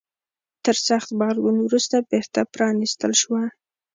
تر سخت غبرګون وروسته بیرته پرانيستل شوه.